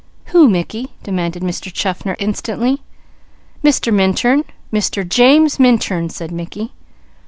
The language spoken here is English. "Who, Mickey?" demanded Mr. Chaffner, instantly. "Mr. Minturn! Mr. James Minturn!" said Mickey.